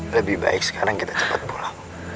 lebih baik sekarang kita cepat pulang